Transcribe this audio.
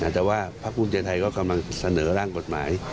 แต่ว่าภาคภูมิใจไทยก็กำลังเสนอร่างกฎหมาย